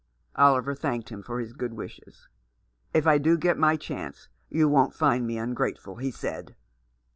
Oliver thanked him for his good wishes. " If I do get my chance you won't find me un grateful," he said.